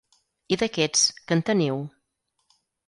I d'aquests, que en teniu?